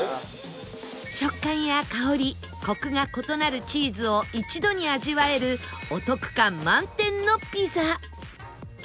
食感や香りコクが異なるチーズを一度に味わえるお得感満点のピザ